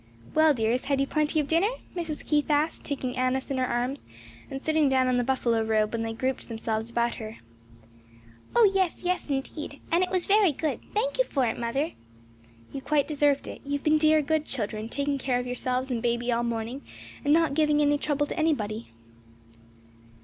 "Well, dears, had you plenty of dinner?" Mrs. Keith asked, taking Annis in her arms and sitting down on the buffalo robe while they grouped themselves about her. "Oh yes; yes indeed! some left; and it was very good. Thank you for it, mother." "You quite deserved it; you have been dear, good children, taking care of yourselves and baby all morning, and not giving any trouble to anybody."